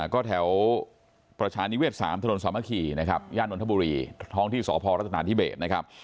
ก็แถวประชานิเวศ๓ถนนสามัคคีนะครับย่านนทบุรีท้องที่สพรัฐนาธิเบสนะครับ